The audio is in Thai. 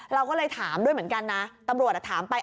เราก็เลยถามด้วยเหมือนกันนะตำรวจถามไป